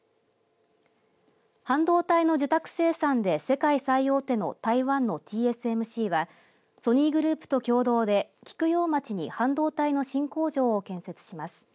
半導体の受託生産で世界最大手の台湾のＴＳＭＣはソニーグループと共同で菊陽町に半導体の新工場を建設します。